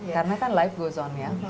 karena kan life goes on ya